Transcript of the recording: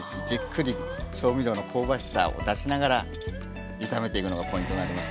じっくり調味料の香ばしさを出しながら炒めていくのがポイントになりますね。